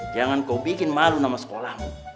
jangan kau bikin malu nama sekolahmu